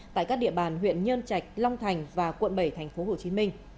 tại các địa bàn huyện nhơn trạch long thành và quận bảy tp hcm